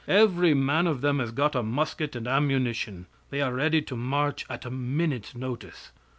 Every man of them has got a musket and ammunition. They are ready to march at a minute's notice."